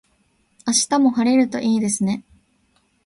明日も晴れるといいですね。